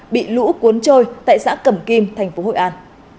bị lũ cuốn trôi tại xã cẩm kim thành phố hội an